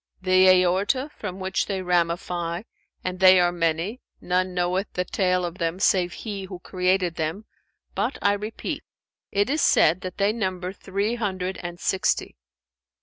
"The aorta, from which they ramify, and they are many, none knoweth the tale of them save He who created them; but I repeat, it is said that they number three hundred and sixty.